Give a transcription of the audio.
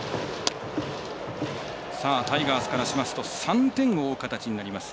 タイガースからしますと３点を追う形になります